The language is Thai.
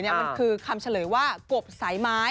มันคือคำเฉลยว่ากบสายไม้